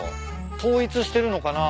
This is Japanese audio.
統一してるのかな。